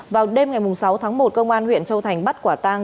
vào đêm ngày sáu tháng một công an huyện châu thành bắt quả tang